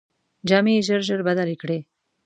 جامې یې ژر ژر بدلې کړې.